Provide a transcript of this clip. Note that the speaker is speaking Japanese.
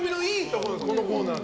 このコーナーの。